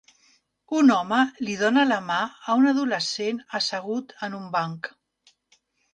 Un home li dona la mà a un adolescent assegut en un banc.